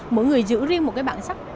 mỗi người giữ riêng một cái bản sắc